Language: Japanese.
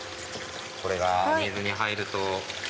これが水に入ると。